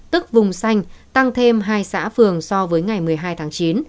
tức vùng xanh tăng thêm hai xã phường so với ngày một mươi hai tháng chín